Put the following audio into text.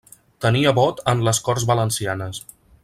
Tenia vot en les Corts Valencianes.